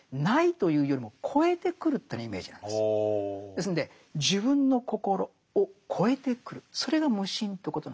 ですんで自分の心を超えてくるそれが無心ということなんだ。